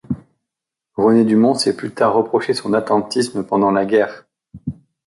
René Dumont s'est plus tard reproché son attentisme pendant la guerre.